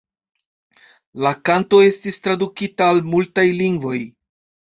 La kanto estis tradukita al multaj lingvoj.